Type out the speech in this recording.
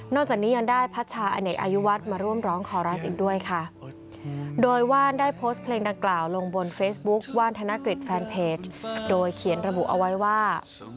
จากนี้ยังได้พัชชาอเนกอายุวัฒน์มาร่วมร้องขอร้าอีกด้วยค่ะโดยว่านได้โพสต์เพลงดังกล่าวลงบนเฟซบุ๊คว่านธนกฤษแฟนเพจโดยเขียนระบุเอาไว้ว่า